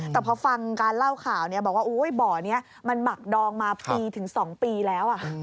แต่พอฟังการเล่าข่าวบอกว่าบ่อนี้มันหมักดองมาปีถึง๒ปีแล้ว